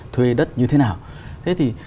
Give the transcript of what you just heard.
thuê đất như thế nào thế thì